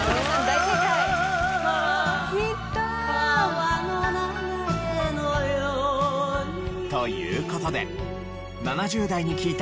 きた！という事で７０代に聞いた！